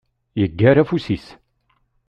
Yeggar afus-is.